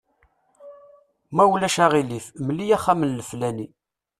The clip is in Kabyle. Ma ulac aɣilif, mel-iyi axxam n leflani.